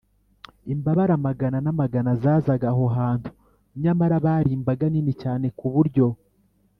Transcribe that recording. . Imbabare amagana n’amagana zazaga aho hantu, nyamara bari imbaga nini cyane ku buryo